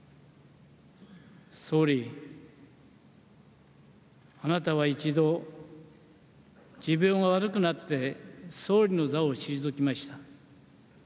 総理、あなたは一度持病が悪くなって総理の座を退きました。